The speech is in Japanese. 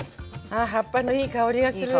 あ葉っぱのいい香りがする。